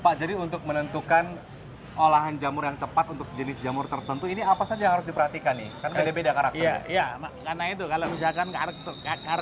kesehatan di jejamuran setiap wisatawan bisa menikmati kelezatan olahan makanan dan minuman berbahan baku jamur